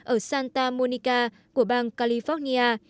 ở santa monica của bang california